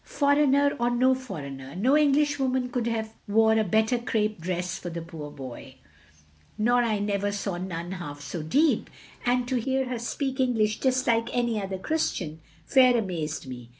"Foreigner or no foreigner, no Englishwoman could have wore a better crape dress for the poor boy; nor I never saw none half so deep; and to hear her speak English just like any other Christian, fair amazed me.